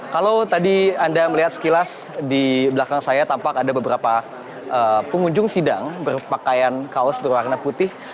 kalau tadi anda melihat sekilas di belakang saya tampak ada beberapa pengunjung sidang berpakaian kaos berwarna putih